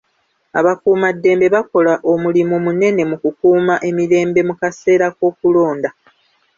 Abakuumaddembe bakola omulimi munene mu kukuuma emirembe mu kaseera k'okulonda.